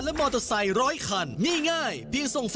พักอะไร